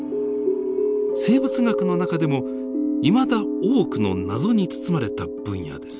生物学の中でもいまだ多くの謎に包まれた分野です。